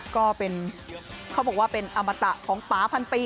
ก็เป็นเขาบอกว่าเป็นอมตะของป่าพันปี